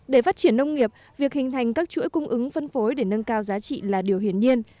để phát triển nông nghiệp việc hình thành các chuỗi cung ứng phân phối để nâng cao giá trị là điều hiển nhiên